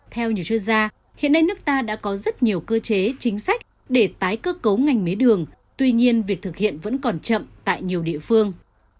theo nhiều chuyên gia hiện nay nước ta đã có rất nhiều cơ chế chính sách để tái cơ cấu ngành mế đường tuy nhiên việc thực hiện vẫn còn chậm tại nhiều địa phương